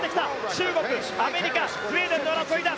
中国、アメリカ、スウェーデンの争いだ。